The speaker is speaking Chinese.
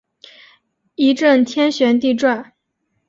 一阵天旋地转